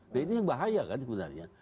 dan ini yang bahaya kan sebenarnya